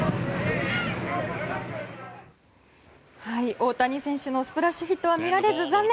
大谷選手のスプラッシュヒットは見られず残念！